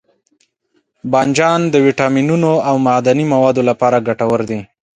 بانجان د ویټامینونو او معدني موادو لپاره ګټور دی.